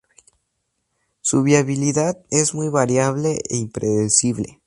Su viabilidad es muy variable e impredecible.